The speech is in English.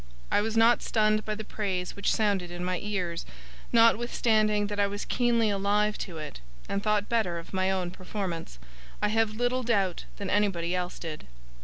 I was not stunned by the praise which sounded in my ears, notwithstanding that I was keenly alive to it, and thought better of my own performance, I have little doubt, than anybody else did.